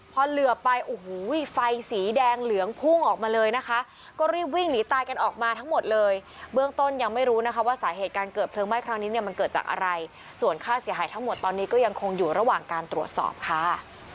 พอเหลือไปโอ้โหไฟสีแดงเหลืองพุ่งออกมาเลยนะคะก็รีบวิ่งหนีตายกันออกมาทั้งหมดเลยเบื้องต้นยังไม่รู้นะคะว่าสาเหตุการเกิดเพลิงไหม้ครั้งนี้เนี่ยมันเกิดจากอะไรส่วนค่าเสียหายทั้งหมดตอนนี้ก็ยังคงอยู่ระหว่างการตรวจสอบค่ะ